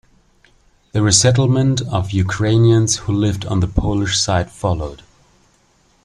The resettlement of Ukrainians who lived on the Polish side followed.